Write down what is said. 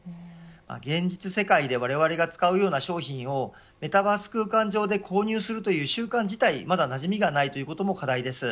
現実世界でわれわれが使う商品をメタバース空間上で購入するという習慣自体まだなじみがないというのも課題です。